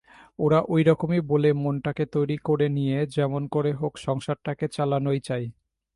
ওরা ঐরকমই বলে মনটাকে তৈরি করে নিয়ে যেমন করে হোক সংসারটাকে চালানোই চাই।